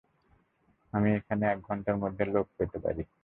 আমি এখানে এক ঘন্টার মধ্যে লোক পেতে পারি।